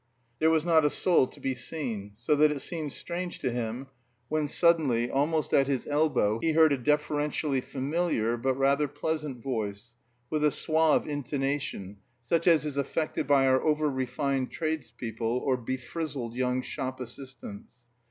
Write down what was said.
There was not a soul to be seen, so that it seemed strange to him when suddenly, almost at his elbow, he heard a deferentially familiar, but rather pleasant, voice, with a suave intonation, such as is affected by our over refined tradespeople or befrizzled young shop assistants.